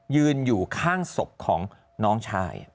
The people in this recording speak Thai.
ยืนอยู่ข้างศพของน้องชาย